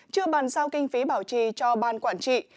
chưa bàn giao kinh phí bảo trì cho ban quản trị